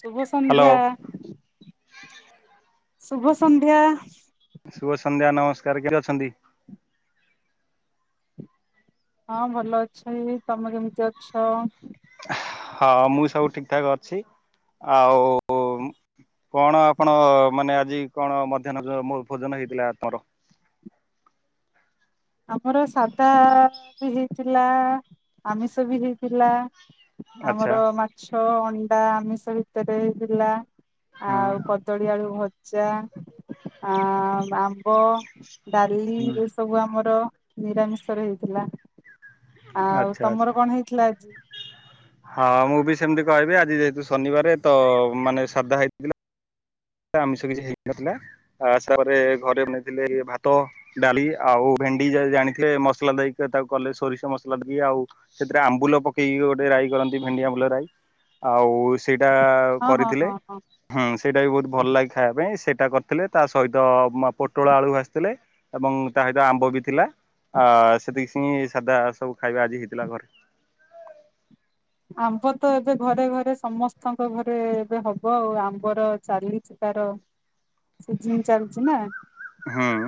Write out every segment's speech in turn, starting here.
ଶୁଭ ହ୍ୟାଲୋ ସନ୍ଧ୍ୟା। ଶୁଭ ସନ୍ଧ୍ୟା। ଶୁଭ ସନ୍ଧ୍ୟା ନମସ୍କାର କେମତି ଅଛନ୍ତି? ହଁ ଭଲ ଅଛି, ତମେ କେମିତି ଅଛ? ହଁ ମୁଁ ସବୁ ଠିକ ଠାକ୍ ଅଛି, ଆଉ କଣ ଆପଣ ମାନେ ଆଜି କଣ ମଧ୍ୟାହ୍ନ ମୋ ଭୋଜନ ହେଇଥିଲା ତମର? ଆମର ସାଧା ବି ହେଇଥିଲା, ଆମିଷ ବି ହେଇଥିଲା। ଆଚ୍ଛା ଆମର ମାଛ, ଅଣ୍ଡା ଆମିଷ ଭିତରେ ଥିଲା। ଆଉ ହୁଁ କଦଳୀ ଆଳୁ ଭଜା ଆ-ଆମ୍ବ। ଡାଲି ଏ ସବୁ ଆମର ନିରାମିଷରେ ହେଇଥିଲା। ଆଉ ଆଛା ଆଛା, ତମର କଣ ହେଇଥିଲା ଆଜି? ହଁ ମୁଁ ବି ସେମତି କହିବେ ଆଜି ଯେହେତୁ ଶନିବାର ତ ମାନେ ସାଧା ହେଇଥିଲା। ଆମିଷ କିଛି ହେଇକ ନଥିଲା ଆ ସେପରେ ଘରେ ବ ନେଇେଇଥିଲେ ଭାତ ଡାଲି ଆଉ ଭେଣ୍ଡି, ଜାଣିଥିଲେ ମସଲା ଦେଇକି ତାକୁ କଲେ ସୋରିଷ ମସଲା ଦେଇ, ଆଉ ସେଥିରେ ଆମ୍ବୁଲ ପକେଇକି ଗୋଟେ କରନ୍ତି, ଭେଣ୍ଡି ଆମ୍ବୁଲ ରାଇ, ଆଉ ସେଇଟା ହଁ ହଁ କରିଥିଲେ ହଁ ହଁ ସେଇଟା ବି ବହୁତ ଭଲ ଲାଗେ ଖାଇବା ପାଇଁ, ସେଇଟା କରିଥିଲେ ତା ସହିତ ପୋଟଳ ଆଳୁ ଭାଜିଥିଲେ ଏବଂ ତା ସହିତ ଆମ୍ବ ବି ଥିଲା ଆ ସେତିକି ସି ସାଧା ସବୁ ଖାଇବା ଆଜି ହେଇଥିଲା ଘରେ [inaudible] ଆମ୍ବ ତ ଏବେ ଘରେ ଘରେ, ସମସ୍ତଙ୍କ ଘରେ, ଏବେ ହବ ଆଉ ଆମ୍ବର ଚାଲିଛି ତାର ସିଜିନି ଚାଲିଛି ନା, ହଁ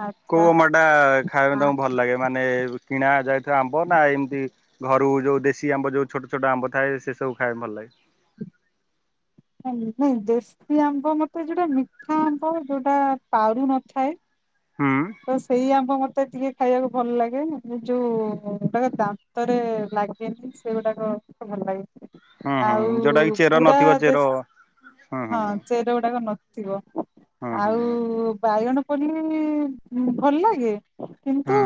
ଆଚ୍ଛା କୋଉ ଅମା ଟା ଖାଇବା ପାଇଁ ହଁ ତମକୁ ଭଲ ଲାଗେ, ମାନେ କିଣା ଯାଇଥିବା ଆମ୍ବ ନା ଏମିତି ଘରୁ ଯୋଉ ଦେଶୀ ଆମ୍ବ ଯୋଉ ଛୋଟ ଛୋଟ ଆମ୍ବ ଥାଏ, ସେ ସବୁ ଖାଇବା ଭଲ ଲାଗେ। ନାଇଁ ଦେଶୀ ଆମ୍ବ ମତେ ଯୋଉଟା ମିଠା ଆମ୍ବ ଯୋଉଟା ପାରୁ ନଥାଏ ହୁଁ ତ ସେଇ ଆମ୍ବ ମତେ ମୋତେ ଟିକେ ଖାଇବାକୁ ଭଲ ଲାଗେ ମ ଯେଉଁ ଗୁଡ଼ାକ ଦାନ୍ତରେ ଲାଗେନି, ସେଗୁଡ଼ାକ [unintelligible] ଭଲ ଲାଗେ ହୁଁ ହୁଁ ଯୋଉଟା କି ଆଉ ଚେର ପୁରା ନଥିବ ଚେର ଦେଶ ହୁଁ ହଁ, ହୁଁ ଚେର ଗୁଡାକ ନଥିବ, ହୁଁ ହୁଁ ଆଉ ହୁଁ ବାଇଗଣ ପଲି ଭଲ ଲାଗେ କିନ୍ତୁ ହୁଁ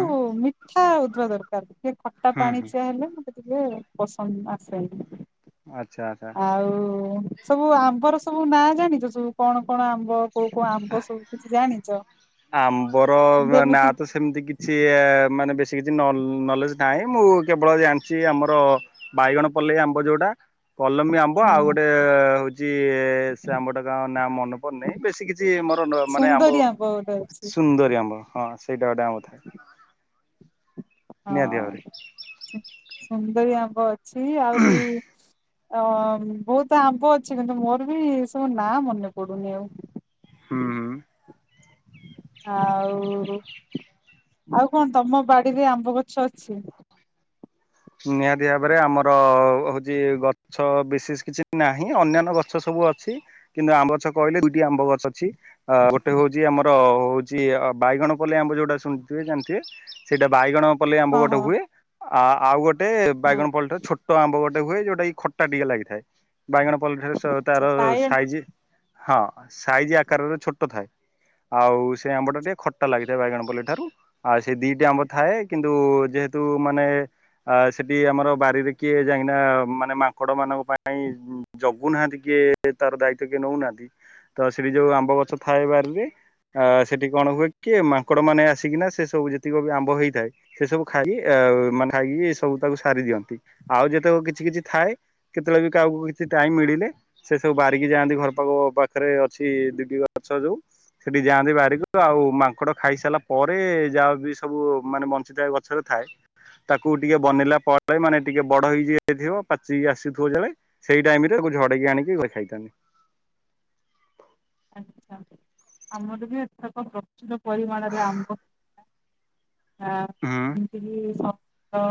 ମିଠା ହଉଥିବା ଦରକାର। ଟିକେ ଖଟା ହୁଁ ହୁଁ ପାଣିଚିଆ ହେଲେ ମତେ ଟିକେ ପସନ୍ଦ ଆସେନି। ଆଚ୍ଛା ଆଚ୍ଛା। ଆଉ ସବୁ ଆମ୍ବର ସବୁ ନାଁ ଜାଣିଛ ସବୁ, କଣ କଣ ଆମ୍ବ? କୋଉ କୋଉ ଆମ୍ବ ସବୁ କିଛି ଜାଣିଛ? ଆମ୍ବର ନା ଯେମିତି ତ ସେମିତି କିଛି ମାନେ ବ ସେ କିଛି ନଲେଜ ନାହିଁ, ମୁଁ କେବଳ ଜାଣିଛି ଆମର ବାଇଗଣ ପଲ୍ଲେଇ ଆମ୍ବ ଯୋଉଟା କଲମୀ ଆମ୍ବ ଆଉ ହଁ ଗୋଟେ ହଉଛି ସେ ଆମ୍ବ ଟା କା ନା ମନେ ପଡନାହିଁ, ବେଶୀ କିଛି ମାନେ ଆମ୍ବ ସୁନ୍ଦରୀ ଗୋଟେ ଅଛି ସୁନ୍ଦରୀ ଆମ୍ବ ହଁ ସେଇଟା ଗୋଟେ ଆମ୍ବ ଥାଏ। ନିହାତି ଭାବରେ ହଁ ସୁନ୍ଦରୀ ଆମ୍ବ ଅଛି ଆହୁରି ଅ ବହୁତ ଆମ୍ବ ଅଛି କିନ୍ତୁ ମୋର ବି ଏ ସବୁ ନାଁ ମନେ ପଡୁନି ଆଉ ହୁଁ ହୁଁ ଆଉ ଆଉ କଣ ତମ ବାଡିରେ ଆମ୍ବ ଗଛ ଅଛି? ନିହାତି ଭାବରେ, ଆମର ହଉଛି ଗଛ ବିଶେଷ କିଛି ନାହିଁ ଅନ୍ୟାନ୍ୟ ଗଛ ସବୁ ଅଛି କିନ୍ତୁ ଆମ୍ବ ଗଛ କହିଲେ ଦୁଇଟି ଆମ୍ବ ଗଛ ଅଛି, ଗୋଟେ ହଉଛି ଆମର ହଉଛି ବାଇଗଣ ପଳେଇ ଆମ୍ବ ଯୋଉଟା ଶୁଣିଥିବେ, ଜାଣିଥିବେ, ସେଇଟା ବାଇଗଣ ପଲେଇ ଆମ୍ବ ହଁ ଗୋଟେ ହଁ ହୁଏ ଆ ଆଉ ଗୋଟେ ହଁ ବାଇଗଣ ପଲଟା ଛୋଟ ଛୋଟ ଆମ୍ବ ଗୋଟେ ହୁଏ, ଯୋଉଟା କିି ଖଟା ଟିକେ ଲାଗିଥାଏ, ବାଇଗଣ ପଲେଇ ଠାରୁ ତାର ଆଚ୍ଛା ବାଇଗଣ ସାଇଜ ହଁ ସାଇଜ ଆକାରରେ ଛୋଟ ଥାଏ ଆଉ ସେ ଆମ୍ବ ଟା ଟିକେ ଖଟା ଲାଗିଥାଏ। ବାଇଗଣପଲ୍ଲୀ ଠାରୁ ଆ ସେଇ ଦିଟି ଆମ୍ବ ଥାଏ କିନ୍ତୁ ଯେହେତୁ ମାନେ ଆ ସେଠି ଆମର ବାରିରେ କିଏ ଯାଇକିନା ମାନେ ମାଙ୍କଡ ମାନଙ୍କ ପାଇଁ ଜଗୁନାହାନ୍ତି କିଏ? ତାର ଦାୟିତ୍ଵ କିଏ ନେଉନାହାନ୍ତି ତ ସେଠି ଯୋଉ ଆମ୍ବ ଗଛ ଥାଏ ବାରିରେ ଅ ସେଠି କଣ ହୁଏ କି -ମାଙ୍କଡ ମାନେ ଆସିକିନା ସେ ସବୁ ଯେତିକି ବି ଆମ୍ବ ହେଇଥାଏ ସେ ସବୁ ଖାଇକ ମାନି [unintelligible] ସବୁ ତାକୁ ସାରି ଦିଅନ୍ତି ଆଉ ଯେତେବେଳେ କିଛି କିଛି ଥାଏ କେତେବେଳେ ବି କାହାକୁ କିଛି ଟାଇମ ମିଳିଲେ ସବୁ ବାରିକି ଯାଆନ୍ତି, ଘର ପାଖ ପାଖରେ ଅଛି ଦିଟି ଗଛ ଯୋଉ ସେଠି ଯାଆନ୍ତି ବାରିକୁ ଆଉ ମାଙ୍କଡ ଖାଇସାରିଲା ପରେ ଯାହା ବି ସବୁ ମାନେ ବଞ୍ଚିଥାଏ ଗଛରେ ଥାଏ ତାକୁ ଟିକେ ବନିଲା ପରେ, ମାନେ ଟିକେ ବଡ ହେଇଯାଇଥିବ, ପାଚି ଆସୁଥିବ ଜାଳେ, ସେଇ ଟାଇମ ରେ ତାକୁ ଝଡେଇକି ଆଣିକି ଖାଇତାି [unintelligible] [inaudible] ଆଛା ଆମର ବି ଏଥରକ ପ୍ରଚୁର ପରିମାଣରେ ଆମ୍ବ ହଁ ହୁଁ ଏମିତି ବି ସ ଅ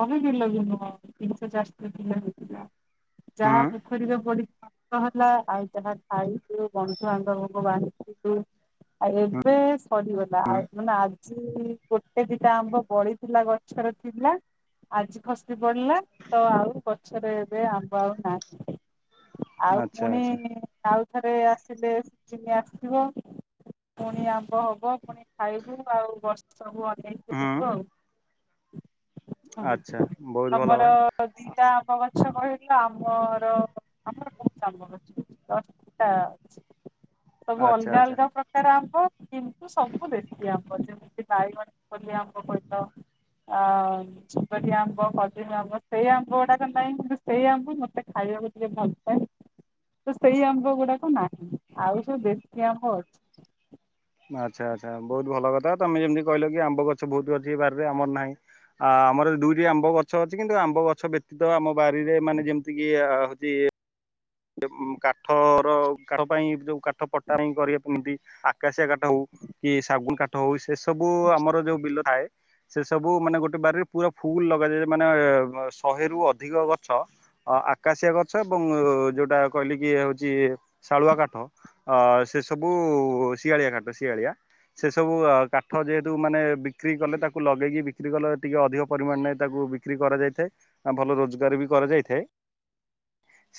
କମି ବିିଲ ବିି ନୁହଁ ତିନଶ ଚାରଶ ବିଲ ହେଇଥିଲା। ହୁଁ ଯାହା ପୋଖରୀରେ [unintelligible] ହେଲା ଆଉ ଯାହା ଖାଇଚୁ ବନ୍ଧୁ ବାନ୍ଧବଙ୍କୁ ବାଣ୍ଟି ଆଉ ଏବେ ପଡିଗଲା ହୁଁ ଆ ମାନେ ଆଜି ଗୋଟେ ଦିଟା ଆମ୍ବ ବଳିଥିଲା ଗଛର ଥିଲା। ଆଜି ଖସି ପଡିଲା ତ ଆଉ ଗଛରେ ଏବେ ଆମ୍ବ ଆଉ ନାହିଁ। ଆଉ ଆଚ୍ଛା ପୁଣି ଆଚ୍ଛା ଆଉଥରେ ଆସିଲେ ସିଜିନି ଆସିବ। ପୁଣି ଆମ୍ବ ହବ ପୁଣି ଖାଇବୁ ଆଉ ବର୍ଷକୁ ଅ ହଁ। ହଁ ହଁ ବହୁତ ଭଲ ତମର କଥା ଦି ଟା ଆମ୍ବ ଗଛ କହିଲ ଆମର ଆମର ବହୁତ ଆମ୍ବ ଗଛ ତ ଟା ସବୁ ଆଚ୍ଛା ଅଲଗା ଆଚ୍ଛା। ଅଲଗା ପ୍ରକାର ଆମ୍ବ କିନ୍ତୁ ସବୁ ଦେଶି ଆମ୍ବ ଯେମିତି ବାଇଗଣ ପଲି ଆମ୍ବ କହିଲ। ଆଉ ସୁନ୍ଦରୀ ଆମ୍ବ ଖଜୁରୀ ଆମ୍ବ ସେଇ ଆମ୍ବ ଗୁଡାକ ନାହିଁ କିନ୍ତୁ ସେଇ ଆମ୍ବ ମତେ ଖାଇ ଖାଇବାକୁ ଟିକେ ଭଲପାଏ ତ ସେଇ ଆମ ଆମ୍ବ ଗୁଡାକ ନାହିଁ, ଆଉ ସବୁ ଦେଶୀ ଆମ୍ବ ଅଛି। ଆଚ୍ଛା ଆଚ୍ଛା ବହୁତ ଭଲ କଥା, ତମେ ଯେମତି କହିଲ କି ଆମ୍ବ ଗଛ ବହୁତ ଅଛି ବାରିରେ, ଆମର ନାହିଁ। ଆ ଆମର ଦୁଇଟି ଆମ୍ବ ଗଛ ଅଛି, କିନ୍ତୁ ଆମ୍ବ ଗଛ ବ୍ୟତୀତ ଆମ ବାରିରେ ମାନେ ଯେମତି କିି ହଉଚି ଇଏ ଉଁମ କାଠର କାଠ ପାଇଁ ଯୋଉ କାଠ ପଟା ପାଇଁ କରିବା କେମିତି ଆ ଆକାଶିଆ କାଠ ହଉ କି ସାଗୁନ କାଠ ହଉ, ସେ ସବୁ ଆମର ଯୋଉ ବିଲ ଥାଏ ସେ ସବୁ ମାନେ ଗୋଟେ ବାରିରେ ପୁରା ଫୁଲ ଲଗାଯାଏ ମାନେ ଶହେରୁୁ ଅଧିକ ଗଛ ଅ ଆକାଶିଆ ଗଛ ଏବଂ ଯୋଉଟ ଟା କହିଲି କି ହଉଚି ଶାଳୁଆ କାଠ ଅ ସେ ସବୁ ଶିଆଳିଆ କାଠ, ଶିଆଳିଆ। ସେ ସବୁ କାଠ ଯେହେତୁ ମାନେ ବିକ୍ରି କଲେ ତାକୁ ଲଗେଇକି ବିକ୍ରି କଲେ, ଟିକେ ଅଧିକ ପରିମାଣ ନେଇ ତାକୁ କୁ ବିକ୍ରି କରା ଯାଇଥାଏ ଆ ଭଲ ରୋଜଗାର ବି କରା ଯାଇଥାଏ। ହୁଁ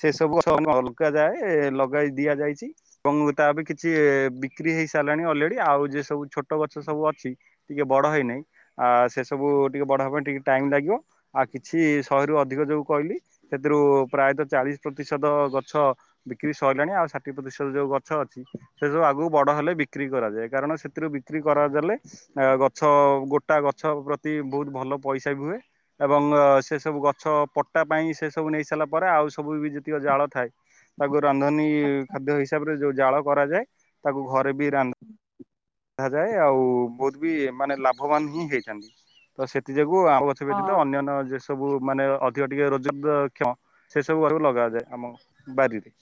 ସେ ସବୁ ଅଲଗା ଯାଏ ଲଗାଇ ଦିଆ ଯାଇଛି ଏବଂ ତା ବି କିଛି ବିକ୍ରି ହେଇ ସାରିଲାଣି ଅଲେ ରେଡି ଆଉ ଯିଏ ସବୁ ଛୋଟ ଗଛ ସବୁ ଅଛି, ଟିକେ ବଡ ହେଇନାହିଁ ଆ ସେ ସବୁ ଟିକେ ବଡ ହେବା ପାଇଁ ଟିକେ ଟାଇମ୍ ଲାଗିବ ଆଉ କିଛି ଶହେରୁ ଅଧିକ ଯଉ କହିଲି ସେଥିରୁ ପ୍ରାୟତଃ ଚାଳିଶ ପ୍ରତିଶ ଶତ ଗଛ ବିକ୍ରି ସରିଲାଣି ଆଉ ଷାଠି ପ୍ରତିଶତ ଯୋଉ ଗଛ ଅଛି ସେ ସବୁ ଆଗକୁ ବଡ ହେଲେ ବିକ୍ରି କରାଯାଏ କାରଣ ସେଥିରୁ ବିକ୍ରି କରାଯାଲେ ଆ ଗଛ ଗୋଟା ଗଛ ପ୍ରତି ବହୁତ ଭଲ ପ ପଇସା ବି ହୁଏ ଏବଂ ସେ ସବୁ ଗଛ ପଟା ପାଇଁ ସେ ସବୁ ନେଇ ସାରିଲା ପରେ ଆଉ ସବୁ ବି ଯେ ଯେତିକ ଜାଳ ଥାଏ ତାକୁ ରନ୍ଧନୀ ଅଛି ଖାଦ୍ୟ ହିସାବରେ ଯୋଉ ଜାଳ କରାଯାଏ, ତାକୁ ଘରେ ବି ରାନ୍ଧ ଯାଏ ଆଉ ବହୁତ ବି ମାନେ ଲାଭବାନ ହିଁ ହେଇଥାନ୍ତି, ତ ସେଥି ଯୋଗୁଁ କୁ ଆଉ ଗଛ ହଁ ବ୍ୟତୀତ ଅନ୍ୟାନ୍ୟ ଯେ ସବୁ ମାନେ ଅଧିକ ଟିକେ ରୋଜଗାର କ୍ଷମ ସେ ସବୁ [unintelligible] ବି ଲଗା ଯାଏ ଆମ ବାରିରେ।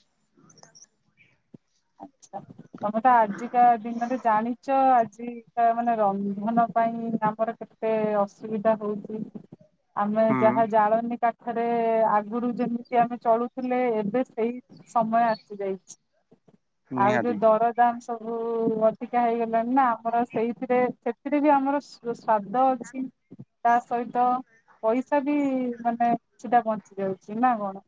ଆଚ୍ଛା। ତମେ ତ ଆଜିକା ଦିନରେ ଜାଣିଚ ଆଜିକା ମାନେ ରନ୍ଧନ ପାଇଁ ଆମର କେ କେତେ ଅସୁବିଧା ହଉଚି, ଆମେ ହୁଁ ଯାହା ଜାଳନୀ କା ଥରେ ଆଗୁରୁ ଯେମିତି ଆମେ ଚଳୁଥିଲେ ଏବେ ସେଇ ସମୟ ଆସି ଯାଇଚି। ଆଉ ଯୋଉ ନିହାତି ଦରଦାମ ସବୁ ଅଧିକା ହେଇଗଲାଣି ନା ଆମର ସେଇଥିରେ ସେଥିରେ ବି ଆମର ସ ରୋଷ ସ୍ୱାଦ ଅଛି। ତା ସହିତ ପଇସା ବି ମାନେ କିଛିଟା ବଞ୍ଚି ଯାଉଚି ନା କଣ?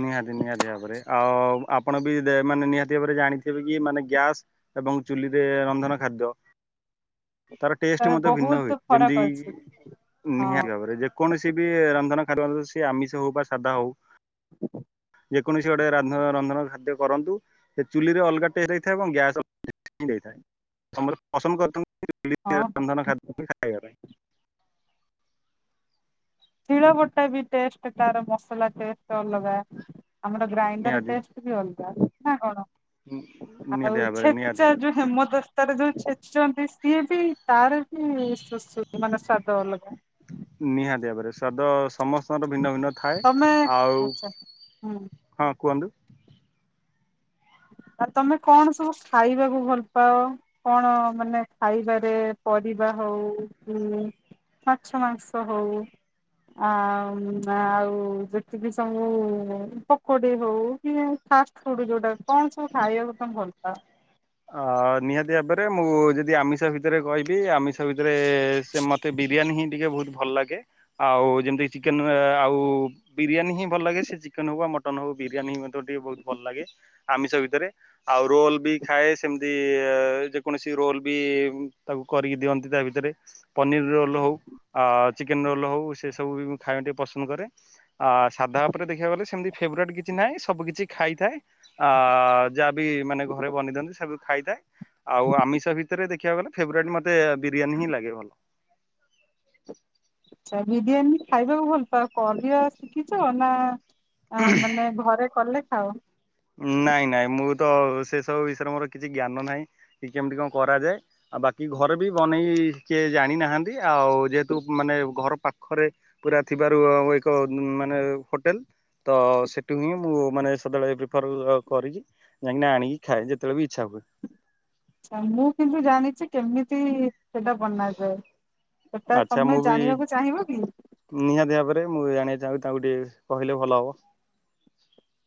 ନିହାତି ନିହାତି ଭାବରେ ଆଉ ଆପଣ ବି ମାନେ ନିହାତି ଭାବରେ ଜାଣିଥିବେ କି ମାନେ ଗ୍ୟାସ୍ ଏବଂ ଚୁଲିରେ ରନ୍ଧନ ଖାଦ୍ୟ। [inaudible] ତାର ଟେଷ୍ଟ ମଧ୍ୟ ଭିନ୍ନ ହୁଏ ବହୁତ ଯେମିତି ଫରକ ଅଛି ହଁ ନିହାତି ଭାବରେ ଯେକୌଣସି ବି ରମଧାନ- ସେ ଆମିଷ ହଉ ବା ସାଧା ହଉ। କୌଣସି ଗୋଟେ ରାଧା ରନ୍ଧନ ଖାଦ୍ୟ କରନ୍ତୁ। ସେ ଚୁଲି ରେ ଅଲଗା ଟେଷ୍ଟ ହେଇଥାଏ ଏବଂ ଗ୍ୟାସ୍- ଦେଇଥାଏ ସମସ୍ତେ ପସନ୍ଦ କରଛନ୍ତି। ହଁ [unintelligible] ରନ୍ଧନ ହଁ ଖାଦ୍ୟ [unintelligible] ଶିଳ ବଟା ବି ଟେଷ୍ଟ ତାର ମସଲା ଟେଷ୍ଟ ଅଲଗା। ଆମର ଗ୍ରାଇଣ୍ଡର ଟେଷ୍ଟ ବି ଅଲଗା ନା କଣ? ହୁଁ। ଆଉ ଛେଚା ଯୋଉ ହେମଦସ୍ତାରେ ଯୋଉ ଛେଚୁଛନ୍ତି ସିଏ ବି ତାର ବି- [unintelligible] ମାନେ ସାଦ ଅଲଗା। ନିହା- ସ୍ୱାଦ ସମସ୍ତଙ୍କର ଭିନ୍ନ ଭିନ୍ନ ଥାଏ ତମେ ଆଉ ଆଚ୍ଛା ହୁଁ ହଁ କୁହନ୍ତୁ। [inaudible] ଆ ତମେ କଣ ସବୁ ଖାଇବାକୁ ଭଲ ପାଅ? କଣ ମାନେ ଖାଇବାରେ ପରିବା। ହଉ ହ ମାଛ ମାଂସ ହଉ। ଆ ଆଉ ଯେତିକି ସବୁ ପକୋଡି ହଉ ପି- ଫାଷ୍ଟ ଫୁଡ ଯୋଉଟା କଣ ସବୁ ଖାଇବାକୁ ତମେ ଭଲ ପାଅ? ଅ ନିହାତି ଭାବରେ ମୁଁ ଯଦି ଆମିଷ ଭିତରେ କହିବି ଆମିଷ ଭିତରେ ସେ ମତେ। ବିରିୟାନୀ ହିଁ ଟିକେ ବହୁତ ଭଲ ଲାଗେ ଆଉ ଯେମିତି ଚିକେନ ଆଉ ବିରିୟାନୀ ହିଁ ଭଲ ଲାଗେ ସେ ଚିକେନ ହଉ ମଟନ ହଉ ବିରିୟାନୀ ହିଁ ମତେ ଟିକେ ବହୁତ ଭଲ ଲାଗେ ଆମିଷ ଭିତରେ ଆଉ ରୋଲ ବି ଖାଏ ସେମିତି ଯେକୌଣସି ରୋଲ ବି ତାକୁ କରିକି ଦିଅନ୍ତି ତା ଭିତରେ ପନିର ରୋଲ ହଉ ଆ ଚିକେନ ରୋଲ ହଉ ସେ ସବୁ ବି ମୁଁ ଖାଇବା ଟିକେ ପସନ୍ଦ କରେ ସାଧା ଅପରେ ଦେଖିବାକୁ ଗଲେ ସେମିତି ଫେବେରେଟ କିଛି ନାହିଁ ସବୁ କିଛି ଖାଇଥାଏ ଆ ଯାହାବି ମାନେ ଘରେ ବନି ଦିଅନ୍ତି ସବୁ ଖାଇଥାଏ ଆଉ ଆମିଷ ଭିତରେ ଦେଖିବାକୁ ଗଲେ ଫେବରେଟ ମତେ ବିରିୟାନୀ ହିଁ ଲାଗେ ଭଲ। ଆଛା ବିରିୟାନୀ ଖାଇବାକୁ ଭଲ ପା କରିଆ ଶିଖିଚ ନା ଆ ମାନେ ଘରେ କଲେ ଖାଉ। ନାଇଁ ନାଇଁ ମୁଁ ତ ସେସବୁ ବିଷୟରେ ମୋର କିଛି ଜ୍ଞାନ ନାହିଁ କି କେମିତି କଣ କରାଯାଏ। ଆଉ ବାକି ଘରେ ବି ବନେଇ କିଏ ଜାଣି ନାହାନ୍ତି ଆଉ ଯେହେତୁ ମାନେ ଘର ପାଖରେ ପୁରା ଥିବାରୁ ଏକ ମାନେ ହୋଟେଲ ତ ସେଠୁ ହିଁ ମୁଁ ମାନେ ସଦାଳେ [unintelligible] କରିକି ଯାଇଁକି ଆଣିକି ଖାଏ ଯେତେବେଳେ ବି ଇଛା ହୁଏ। ଆଛା ମୁଁ କିନ୍ତୁ ଜାଣିଚି କେମିତି ସେଟା ବନାଯାଏ। ସେଟା ଆଛା ତମେ ମୁଁ ବି ଜାଣିବାକୁ ଚାହିଁବ କି? ନିହାତି ଭାବରେ ମୁଁ ଆଣି ଯାହା ହଉ ତାକୁ ଟିକେ କହିଲେ ଭଲ ହେବ।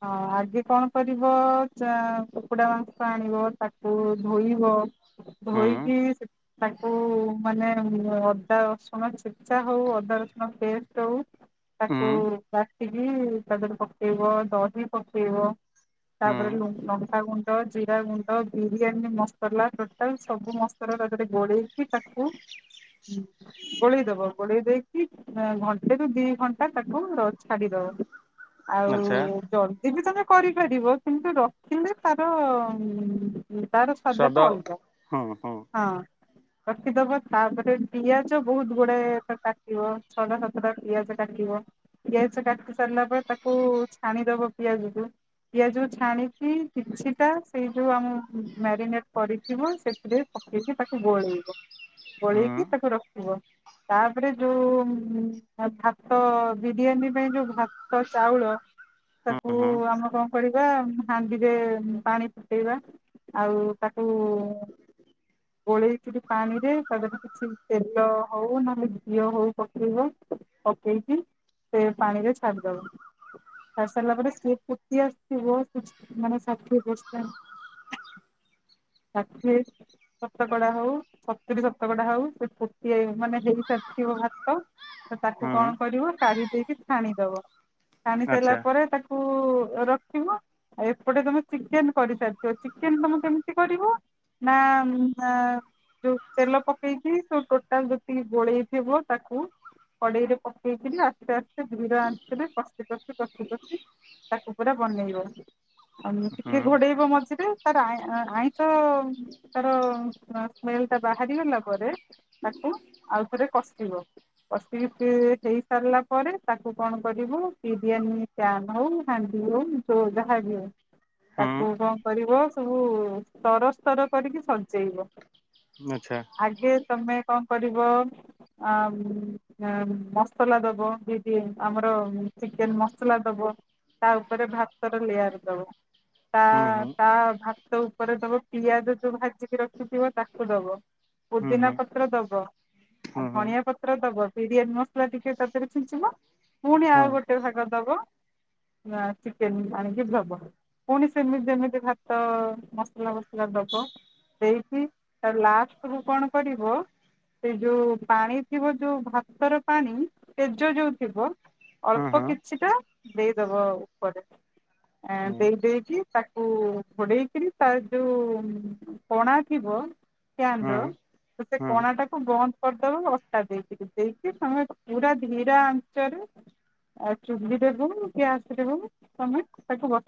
ହଁ ଆଗେ କଣ କରିବ ଯା କୁକୁଡ଼ା ମାଂସ ଆଣିବ ତାକୁ ଧୋଇବ ହୁଁ ଧୋଇକି ସେ ତାକୁ ମାନେ ଅଦା ରସୁଣ ଛେଚା ହଉ ଅଦା ରସୁଣ ପେଷ୍ଟ ହଉ। ହୁଁ। ତାକୁ କାଟିକି ତାଦେରେ ପକେଇବ ଦହି ପକେଇବ। ତା ଉପରେ ଲୁ ହୁଁ ଲଙ୍କା ଗୁଣ୍ଡ ର ଜିରା ଗୁଣ୍ଡ ବିରିୟାନୀ ମସଲା ଟୋଟାଲ ସବୁ ମସଲା ତା ଦେହରେ ଗୋଳେଇକି ତାକୁ ହଁ ଗୋଳେଇଦବ ଗୋଳେଇ ଦେଇକି ଘଣ୍ଟେରୁୁ ଦି ଘଣ୍ଟା ତାକୁ ର ଛାଡିଦେବ। ହଁ। ଆଉ ଆଚ୍ଛା ଜଲଦି ବି ତମେ କରିପାରିବ କିନ୍ତୁ ରଖିଲେ ତାର ଉଁ ତାର ସ୍ୱାଦଟା ସ୍ୱାଦ ଅଲଗା ହୁଁ ହୁଁ ହଁ। ରଖିଦବ ତାପରେ ପିଆଜ ବହୁତ ଗୁଡାଏ ତାକୁ କାଟିବ ଛଅଟା ସାତଟା ପିଆଜ କାଟିବ। ପିଆଜ କାଟି ସାରିଲା ପରେ ତାକୁ ଛାଣିଦବ ପିଆଜକୁୁ। ପିଆଜକୁ ଛାଣିକି କିଛିଟା ସେଇ ଯୋଉ ଆମ ମ୍ୟାରିନେଟ୍ କରିଥିବ ସେଥିରେ ପକ କରିକି ତାକୁ ଗୋଳେଇବ ହୁଁ ଗୋଳେଇକି ତାକୁ ରଖିବ। ତାପରେ ଯୋଉ ଉମ ଭାତ ବିରିୟାନୀ ପାଇଁ ଯୋଉ ଭାତ ଚାଉଳ ହୁଁ ତାକୁ ହୁଁ ଆମେ କଁ କରିବା ହାଣ୍ଡିରେ ପାଣି ଫୁଟେଇବା ଆଉ ତାକୁ ଗୋଳେଇକିରି ପାଣିରେ ତା ଦେହରେ କିଛି ତେଲ ହଉ ନହେଲେ ଘିଅ ହଉ ପକେଇବା। ପକେଇକି ସେ ପାଣିରେ ଛାଡିଦବା। ସାରିସାରିଲା ପରେ ସିଏ ଫୁଟି ଆସିଥିବ ମାନେ ଷାଠିଏ ପରସେଣ୍ଟ ଷାଠିଏ ଶତକଡା ହଉ ସତୁୁରୀ ଶତକଡା ହଉ ସେ ଫୁଟିଯାଇ ମାନେ ହେଇସାରିଥିବ ଭାତ ତ ତାକୁ ହୁଁ କଣ କରିବ କାଢି ଦେଇକି ଛାଣିଦବ ଛାଣି ସାରିଲା ଆଚ୍ଛା ପରେ ତାକୁ ତାକୁ ରଖିବ ଆଉ ଏପଟେ ତମେ ଚିକେନ କରିସାରିଥବ ଚିକେନ ତମେ କେମିତି କରିବ ‌? ନା ନା ଯୋଉ ତେଲ ପକେଇକି ଟୋଟାଲ ଯେତିିକି ଗୋଳେଇଥିବ ତାକୁ କଡେଇରେ ପକେଇକି ଆସ୍ତେ ଆସ୍ତେ ଧିର ଆଞ୍ଚରେ କସି କସି କସି କସି ତାକୁ ପୁରା ବନେଇବ। ଅମ୍ ହୁଁ ଟିକେ ଘୋଡେଇବ ମଝିରେ ତାର ଆଇଁ ଆଇଁଷ ତାର ସ୍ମେଲ ସ୍ମେଲଟା ବାହାରି ଗଲା ପରେ ତାକୁ ଆଉ ଥରେ କସିଵ। କସି କି ହେଇ ସାରିଲା ପରେ ତାକୁ କଣ କରିବୁ ବିରିୟାନୀ ଚାନ ହଉ ହାଣ୍ଡି ହଉ ଯୋ ଜାହା ବି ହଉ। ହୁଁ ତାକୁ କଣ କରିବ ସବୁ ସ୍ତରସ୍ତର କରିକି ସଜେଇବ। ଆଚ୍ଛା। ଆଗେ ତମେ କଣ କରିବ? ଆଁ ମ୍ ଆଁ ମସଲା ଦବ ବିରି ଆମର ଚିକେନ ମସଲା ଦବ ତା ଉପରେ ଭାତର ଲେୟାର ଦବ। ତା ହୁଁ ହୁଁ ତା ଭାତ ଉପରେ ଦବ ପିଆଜ ଯୋଉ ଭାଜିକି ରଖିଥିବ ତାକୁ ଦବ। ହୁଁ ପୁଦିନା ହୁଁ ପତ୍ର ଦବ। ଆଉ ହୁଁ ଧଣିଆ ପତ୍ର ଦବ ବିରିଆନି ମସଲା ଟିକେ ତା ଦେହରେ ଛିଞ୍ଚୁବ ପୁଣି ଆଉ ହୁଁ ଗୋଟେ କେତେ ଭାଗ ଦବ? ନା ଚିକେନ ଆଣିକି ଦବ ପୁଣି ସେମିତି ଯେମିତି ଭାତ ମସଲା ବସଲା ଦବ ଦେଇକି ତାପରେ ଲାଷ୍ଟ କୁ କଣ କରିବ ସେ ଯୋଉ ପାଣି ଥିବ ଯୋଉ ଭାତର ପାଣି ପେଜ ଯୋଉ ଥିବ ଅଳ୍ପ ହୁଁ ଅଳ୍ପ କିଛିଟା ଦେଇଦବ ଉପରେ। ହୁଁ ଦେଇ ଦେଇେଇକି ତାକୁ ଘୋଡେଇକିରି ତା ଯୋଉ କଣା ଥିବ। ହୁଁ କ୍ୟାନ ହୁଁ ର ସେ ହୁଁ କଣା ଟାକୁ ବନ୍ଦ କରିଦବ ଅଟା ଦେଇକିରି ଦେଇକି ତମେ ପୁରା ଧୀରା ଆଞ୍ଚରେ ଆ ଚୁଲି ହୋଉ ଗ୍ୟାସ ରେ ହୋଉ ତମେ ତାକୁ ବ